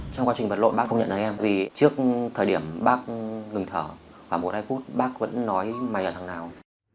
trong quá trình vật lộn bác không nhận thấy em vì trước thời điểm bác ngừng thở khoảng một hai phút bác vẫn nói mày là thằng nào